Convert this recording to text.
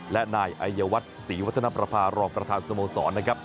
และนายอายวัฒน์ศรีวัฒนประภารองประธานสโมสรนะครับ